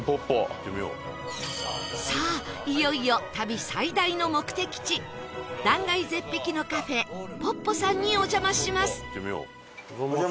さあいよいよ旅最大の目的地断崖絶壁のカフェぽっぽさんにお邪魔します